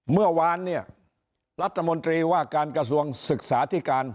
เมื่อวานเนี่ยรัฐมนตรีว่าการกระทรวงศึกษาธิการ